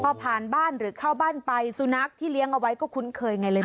พอผ่านบ้านหรือเข้าบ้านไปสุนัขที่เลี้ยงเอาไว้ก็คุ้นเคยไงเลยนะ